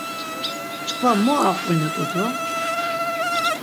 Çkva mu aqvinet̆u do?